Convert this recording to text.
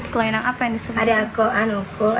kelainan apa yang disuruh